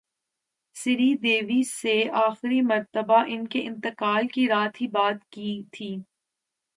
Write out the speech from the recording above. سری دیوی سے اخری مرتبہ انکے انتقال کی رات ہی بات کی تھی